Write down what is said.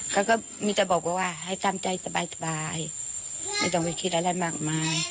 ก็ก็มีจะบอกว่าว่าให้ตามใจสบายสบายไม่ต้องไปคิดอะไรมากมาย